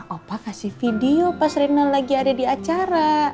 opa kasih video pas rena lagi ada di acara